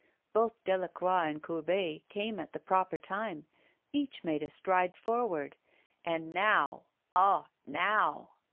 Both Delacroix and Courbet came at the proper time. Each made a stride forward. And now ah, now!